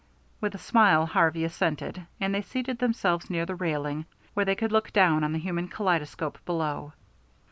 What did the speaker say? With a smile Harvey assented, and they seated themselves near the railing, where they could look down on the human kaleidoscope below.